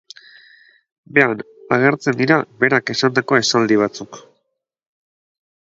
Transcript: Behean agertzen dira berak esandako esaldi batzuk.